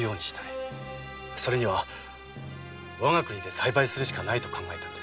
それには我が国で栽培するしかないと考え。